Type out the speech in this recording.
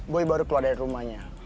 boy baru keluar dari rumahnya